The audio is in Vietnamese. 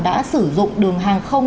đã sử dụng đường hàng không